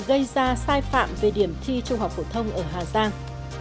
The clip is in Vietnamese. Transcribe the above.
đối tượng gây ra sai phạm về điểm thi trung học phổ thông ở hà giang